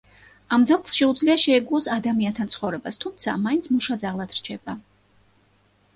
ამ ძაღლს შეუძლია შეეგუოს ადამიანთან ცხოვრებას, თუმცა მაინც მუშა ძაღლად რჩება.